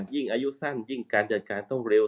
ยิ่งอายุสั้นยิ่งการจัดการต้องเร็ว